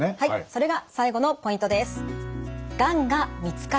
それが最後のポイントです。